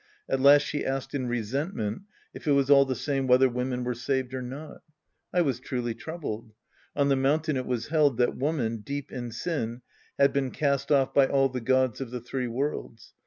At last she Act II The Priest and His Disciples 77 asked in resentment if it was all the same whether women were saved or not. I was truly troubled. On the mountain it was held that woman, deep in sin, had been cast off by all the gods of the three worlds.